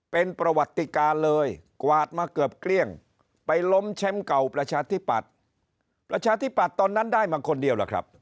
เป็นประวัติการเลยกวาดมาเกือบเกลี้ยงไปล้มแชมป์เก่าประชาธิปัตย์ประชาธิปัตย์ตอนนั้นได้มาคนเดียวล่ะครับ